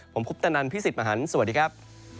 ผมคุปตะนันพี่สิทธิ์มหันฯสวัสดีครับ